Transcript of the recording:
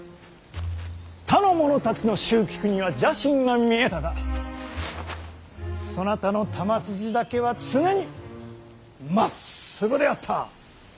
他の者たちの蹴鞠には邪心が見えたがそなたの球筋だけは常にまっすぐであった。